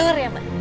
bener ya man